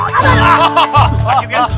tunggu kajian naim tunggu kajian naim